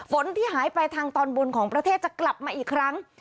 ฝนที่หายไปทางตอนบนของประเทศจะกลับมาอีกครั้ง